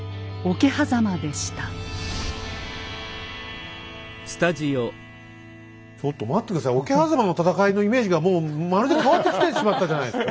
桶狭間の戦いのイメージがもうまるで変わってきてしまったじゃないですか！